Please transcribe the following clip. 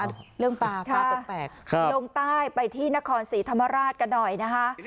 เรื่องปลาปลาแปลกลงใต้ไปที่นครศรีธรรมราชกันหน่อยนะคะ